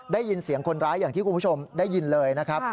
ได้ยินเสียงคนร้ายอย่างที่คุณผู้ชมได้ยินเลยนะครับ